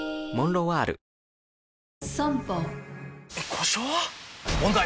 故障？問題！